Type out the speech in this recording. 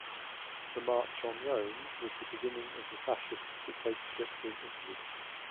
The march on Rome was the beginning of the fascist dictatorship in Italy.